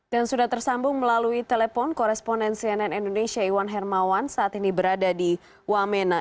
dan sudah tersambung melalui telepon koresponen cnn indonesia iwan hermawan saat ini berada di wamena